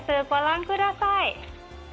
ご覧ください。